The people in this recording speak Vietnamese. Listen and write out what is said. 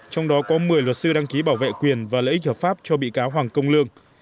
trong đó có một mươi luật sư đăng ký bảo vệ quyền và lợi ích hợp pháp cho bị cáo hoàng công lương